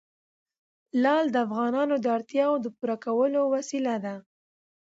لعل د افغانانو د اړتیاوو د پوره کولو وسیله ده.